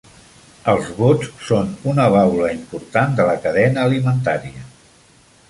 Els bots són una baula important de la cadena alimentària.